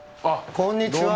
・こんにちは。